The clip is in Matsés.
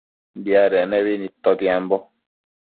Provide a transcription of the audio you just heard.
Diadec nebi nidtotiambo